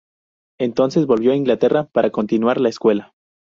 Entonces volvió a Inglaterra para continuar la escuela.